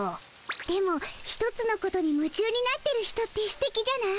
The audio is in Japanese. でも一つのことにむちゅうになってる人ってすてきじゃない？